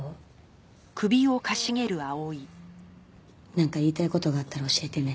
なんか言いたい事があったら教えてね。